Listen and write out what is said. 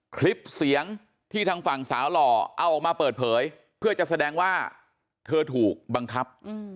คลิปเสียงที่ทางฝั่งสาวหล่อเอาออกมาเปิดเผยเพื่อจะแสดงว่าเธอถูกบังคับ